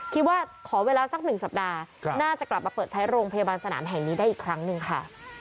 ขอเวลาสัก๑สัปดาห์น่าจะกลับมาเปิดใช้โรงพยาบาลสนามแห่งนี้ได้อีกครั้งหนึ่งค่ะ